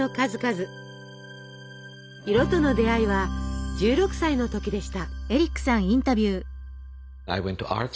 色との出会いは１６歳の時でした。